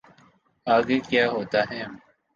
آگے کیا ہوتا ہے۔